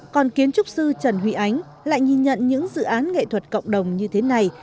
còn kiến trúc sư trần huy ánh lại nhìn nhận những dự án nghệ thuật cộng đồng như thế này